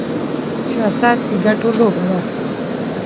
سياست د ګټو لوبه ده.